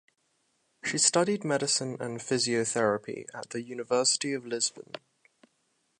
She studied medicine and physiotherapy at the University of Lisbon.